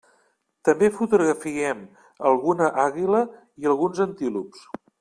També fotografiem alguna àguila i alguns antílops.